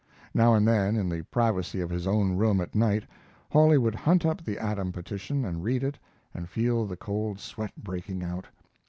Now and then, in the privacy of his own room at night, Hawley would hunt up the Adam petition and read it and feel the cold sweat breaking out.